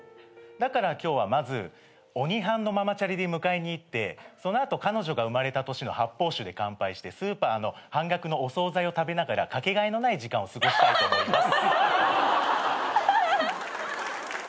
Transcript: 「だから今日はまず鬼ハンのママチャリで迎えに行ってその後彼女が生まれた年の発泡酒で乾杯してスーパーの半額のお総菜を食べながらかけがえのない時間を過ごしたいと思います」